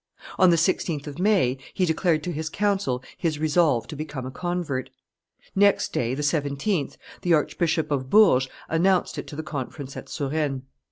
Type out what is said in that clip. On the 16th of May, he declared to his council his resolve to become a convert. Next day, the 17th, the Archbishop of Bourges announced it to the conference at Suresnes.